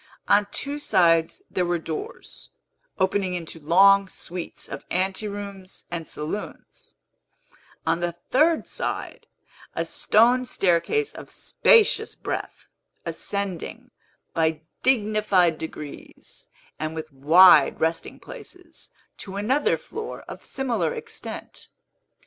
On two sides there were doors, opening into long suites of anterooms and saloons; on the third side, a stone staircase of spacious breadth, ascending, by dignified degrees and with wide resting places, to another floor of similar extent.